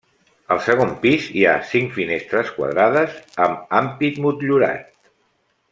Al segon pis hi ha cinc finestres quadrades amb ampit motllurat.